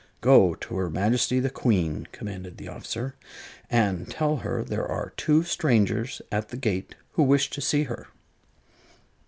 "Go to her Majesty the Queen," commanded the officer, "and tell her there are two strangers at the gate who wish to see her."